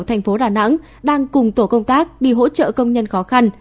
thành phố đà nẵng đang cùng tổ công tác đi hỗ trợ công nhân khó khăn